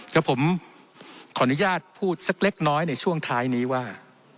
แล้วผมขออนุญาตพูดสักเล็กน้อยในช่วงท้ายนี้ว่า